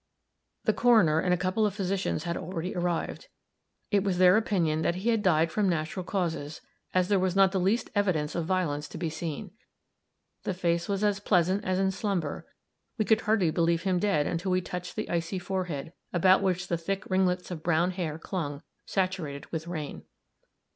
The coroner and a couple of physicians had already arrived. It was their opinion that he had died from natural causes, as there was not the least evidence of violence to be seen. The face was as pleasant as in slumber; we could hardly believe him dead until we touched the icy forehead, about which the thick ringlets of brown hair clung, saturated with rain.